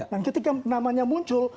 dan ketika namanya muncul